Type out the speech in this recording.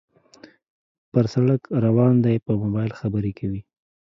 پر سړک روان دى په موبایل خبرې کوي